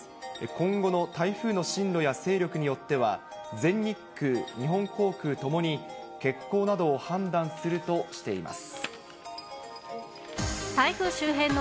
今後の台風の進路や勢力によっては、全日空、日本航空ともに欠航などを判断するとしています。